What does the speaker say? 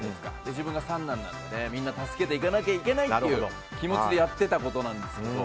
自分が三男なのでみんな助けていかなきゃいけない気持ちでやってたことなんですけど。